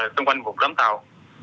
xung quanh vùng đám tàu